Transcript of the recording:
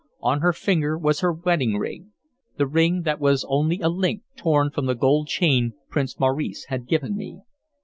On her finger was her wedding ring, the ring that was only a link torn from the gold chain Prince Maurice had given me.